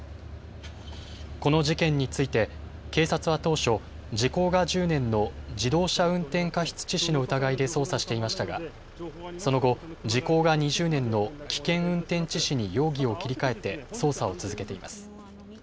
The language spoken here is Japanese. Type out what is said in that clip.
この事件について警察は当初、時効が１０年の自動車運転過失致死の疑いで捜査していましたが、その後時効が２０年の危険運転致死に容疑を切り替えて捜査を続けています。